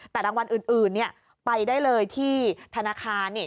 แต่รางวัลอื่นไปได้เลยที่ธนาคาร